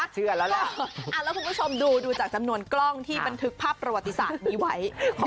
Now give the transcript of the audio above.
ถูกก็ชมดูดูจากสำนวนกล้องที่บรรทึกภาพประวัติศาสตร์ได้ไว้